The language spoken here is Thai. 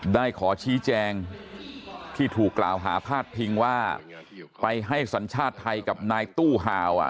ได้ขอชี้แจงที่ถูกกล่าวหาพาดพิงว่าไปให้สัญชาติไทยกับนายตู้ฮาว